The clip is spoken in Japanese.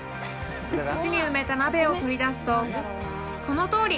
土に埋めた鍋を取り出すとこのとおり！